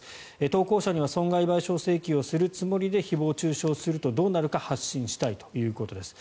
投稿者には損害賠償請求をするつもりで誹謗・中傷するとどうなるか発信したいということです。